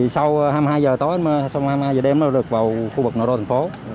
sau hai mươi hai h đêm nó được vào khu vực nội đô thành phố